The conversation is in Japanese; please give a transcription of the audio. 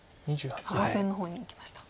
５線の方にいきました。